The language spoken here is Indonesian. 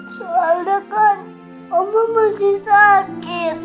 soalnya kan kamu masih sakit